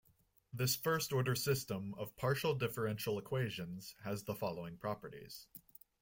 This first order system of partial differential equations has the following properties.